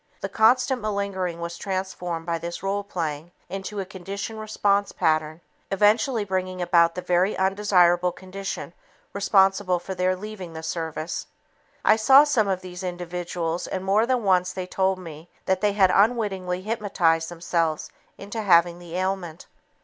The constant malingering was transformed by this role playing into a conditioned response pattern, eventually bringing about the very undesirable condition responsible for their leaving the service. I saw some of these individuals and more than once they told me that they had unwittingly hypnotized themselves into having the ailment.